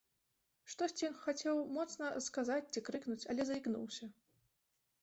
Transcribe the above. Штосьці ён хацеў моцна сказаць ці крыкнуць, але заікнуўся.